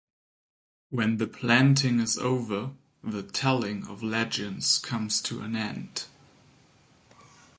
When the planting is over, the telling of legends comes to an end.